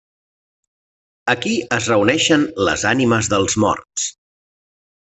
Aquí es reuneixen les ànimes dels morts.